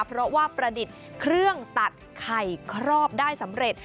เพราะว่าประดิษฐ์เครื่องตัดไข่ครอบได้สำเร็จ